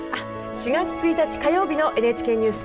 ４月１日火曜日のＮＨＫニュース